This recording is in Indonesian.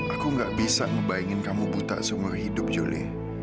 aku gak bisa membayangkan kamu buta seumur hidup julie